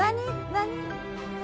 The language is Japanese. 何？